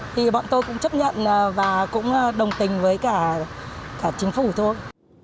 thì bọn tôi cũng chấp nhận và cũng đồng tình với cả chính phủ thôi